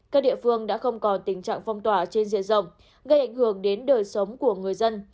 các địa phương đã không còn tình trạng phong tỏa trên diện rộng gây ảnh hưởng đến đời sống của người dân